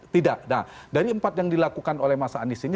tidak nah dari empat yang dilakukan oleh mas anies ini